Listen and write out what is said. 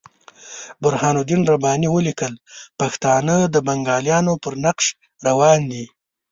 برهان الدین رباني ولیکل پښتانه د بنګالیانو پر نقش روان دي.